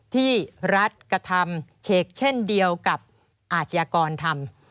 ที่รัฐกระทำเฉกเช่นเดียวกับอาชญากรทำ